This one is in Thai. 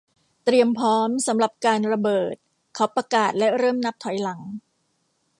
เตรียมพร้อมสำหรับการระเบิดเขาประกาศและเริ่มนับถอยหลัง